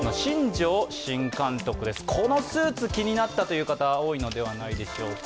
このスーツ気になったという方、多いのではないでしょうか。